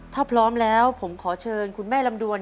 ถ้าพร้อมแล้วผมขอเชิญคุณแม่ลำดวน